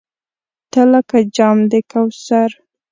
تۀ لکه جام د کوثر !